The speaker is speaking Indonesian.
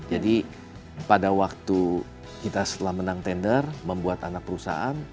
jadi pada waktu kita setelah menang tender membuat anak perusahaan